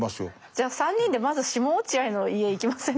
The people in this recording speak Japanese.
じゃあ３人でまず下落合の家行きませんか。